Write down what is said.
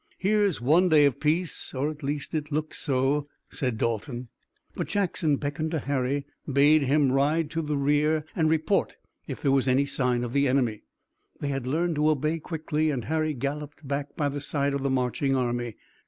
"Here's one day of peace, or at least it looks so," said Dalton. But Jackson beckoned to Harry, bade him ride to the rear and report if there was any sign of the enemy. They had learned to obey quickly and Harry galloped back by the side of the marching army.